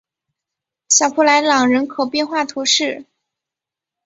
小普莱朗人口变化图示